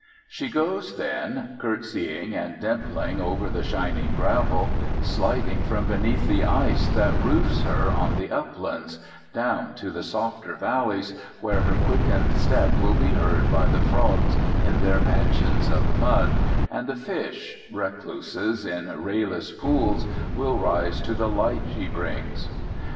She goes then curtsying and dimpling over the shining gravel, sliding from beneath the ice that roofs her on the uplands down to the softer valleys, where her quickened step will be heard by the frogs in their mansions of mud, and the fish, recluses in rayless pools, will rise to the light she brings.